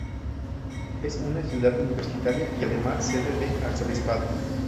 Es una ciudad universitaria y además sede de arzobispado.